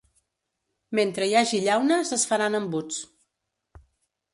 Mentre hi hagi llaunes es faran embuts.